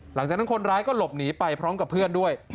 หลังจากนั้นคนร้ายก็หลบหนีไปพร้อมกับเพื่อนด้วย